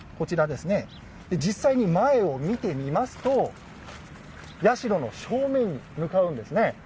実際に、前を見てみますと社の正面に向かうんですね。